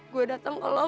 gue dateng ke lo